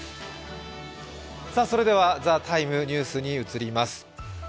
それでは、「ＴＨＥＴＩＭＥ，ニュース」に移ります。